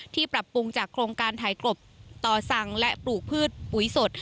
ปรับปรุงจากโครงการถ่ายกลบต่อสั่งและปลูกพืชปุ๋ยสด